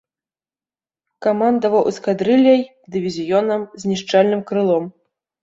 Камандаваў эскадрылляй, дывізіёнам, знішчальным крылом.